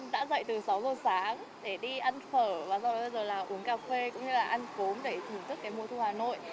đã dậy từ sáu giờ sáng để đi ăn phở và rồi bây giờ là uống cà phê cũng như là ăn cốm để thưởng thức cái mùa thu hà nội